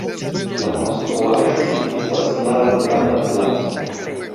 La konstruaĵo situas laŭ granda placo.